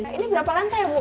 ini berapa lantai bu